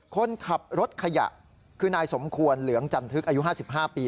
คนขับรถขยะคือนายสมควรเหลืองจันทึกอายุ๕๕ปี